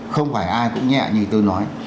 không phải ai cũng nhẹ như tôi nói